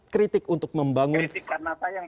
kritik untuk membangun kritik karena apa yang